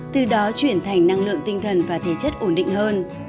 từ đó chuyển thành năng lượng tinh thần và thể chất ổn định hơn